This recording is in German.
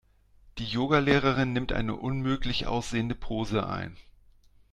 Die Yoga-Lehrerin nimmt eine unmöglich aussehende Pose ein.